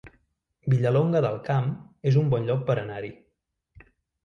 Vilallonga del Camp es un bon lloc per anar-hi